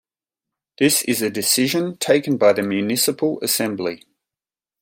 This is a decision taken by the municipal assembly.